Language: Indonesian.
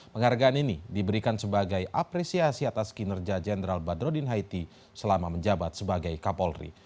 penghargaan ini diberikan sebagai apresiasi atas kinerja jenderal badrodin haiti selama menjabat sebagai kapolri